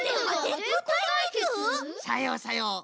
さようさよう。